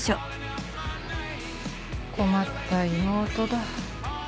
困った妹だ。